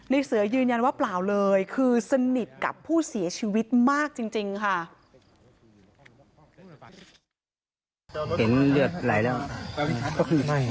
เสือยืนยันว่าเปล่าเลยคือสนิทกับผู้เสียชีวิตมากจริงค่ะ